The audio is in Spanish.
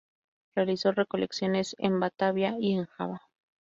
Realizó recolecciones en Batavia y en Java